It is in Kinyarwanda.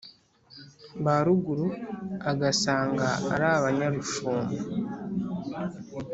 ba ruguru: agasanga ari abanyarushumba,